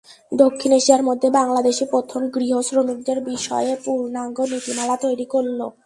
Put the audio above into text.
দক্ষিণ এশিয়ার মধ্যে বাংলাদেশই প্রথম গৃহশ্রমিকদের বিষয়ে পূর্ণাঙ্গ নীতিমালা তৈরি করল।